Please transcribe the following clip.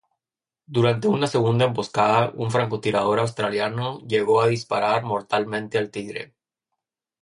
Durante una segunda emboscada, un francotirador australiano llegó a disparar mortalmente al Tigre.